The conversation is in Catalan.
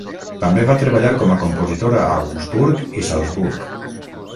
També va treballar com a compositor a Augsburg i Salzburg.